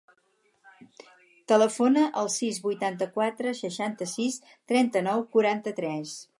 Telefona al sis, vuitanta-quatre, seixanta-sis, trenta-nou, quaranta-tres.